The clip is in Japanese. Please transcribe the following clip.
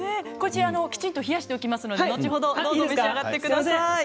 こちらきちんと冷やしておきますので後ほどどうぞ召し上がってください。